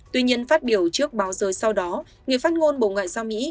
tuy nhiên phát biểu trước báo giới sau đó người phát ngôn bộ ngoại giao mỹ